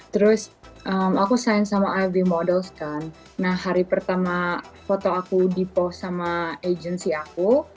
terus aku sign sama iv models kan nah hari pertama foto aku di post sama agency aku